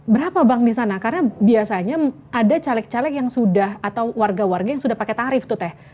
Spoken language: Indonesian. berapa bang di sana karena biasanya ada caleg caleg yang sudah atau warga warga yang sudah pakai tarif tuh teh